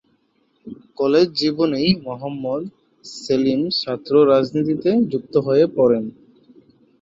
College জীবনেই মহম্মদ সেলিম ছাত্র রাজনীতিতে যুক্ত হয়ে পড়েন।